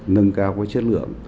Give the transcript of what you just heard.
nâng cao cái chất lượng